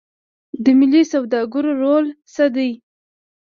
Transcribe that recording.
د ملي سوداګرو رول څه دی؟